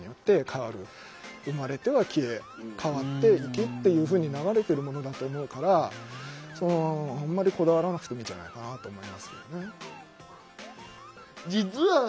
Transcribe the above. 生まれては消え変わっていきっていうふうに流れてるものだと思うからあんまりこだわらなくてもいいんじゃないかなと思いますけどね。